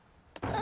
あ。